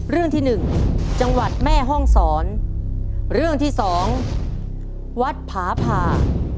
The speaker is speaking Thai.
เรื่องที่หนึ่งจังหวัดแม่ห้องศรเรื่องที่สองวัดผาผ่า